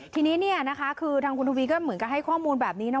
ทีนี้เนี่ยนะคะคือทางคุณทวีก็เหมือนกับให้ข้อมูลแบบนี้นะ